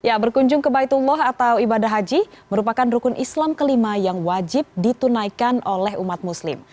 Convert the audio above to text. ya berkunjung ke baitullah atau ibadah haji merupakan rukun islam kelima yang wajib ditunaikan oleh umat muslim